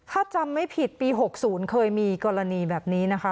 ถ้าจำไม่ผิดปี๖๐เคยมีกรณีแบบนี้นะคะ